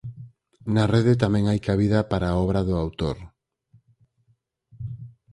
Na rede tamén hai cabida para a obra do autor.